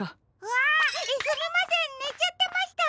あっすみませんねちゃってました！